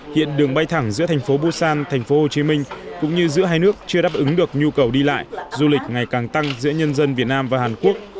hiện đường bay thẳng giữa thành phố busan thành phố hồ chí minh cũng như giữa hai nước chưa đáp ứng được nhu cầu đi lại du lịch ngày càng tăng giữa nhân dân việt nam và hàn quốc